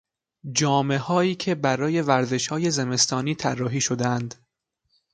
جامههایی که برای ورزشهای زمستانی طراحی شدهاند